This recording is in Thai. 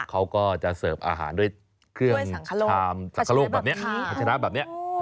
เขาก็จะเซิร์ฟอาหารด้วยเครื่องชามสังคโลกแบบนี้